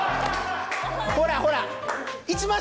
ほらほら！